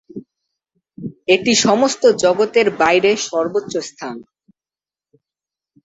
এটি সমস্ত জগতের বাইরে সর্বোচ্চ স্থান।